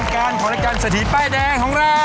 บทการณ์ยังมีทางการสถิพายแดงของเรา